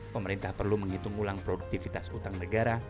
pemerintah perlu menghitung ulang produktivitas utang negara